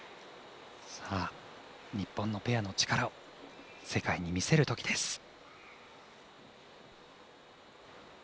日本のペアの力を世界に見せるときです。